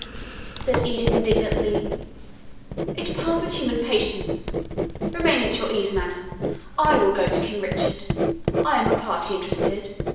said Edith indignantly; "it passes human patience. Remain at your ease, madam; I will go to King Richard. I am a party interested.